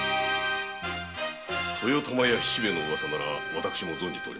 豊玉屋七兵衛のウワサなら私も存じております。